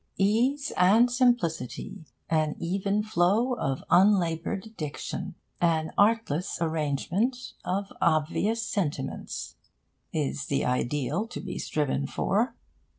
'Ease and simplicity, an even flow of unlaboured diction, and an artless arrangement of obvious sentiments' is the ideal to be striven for.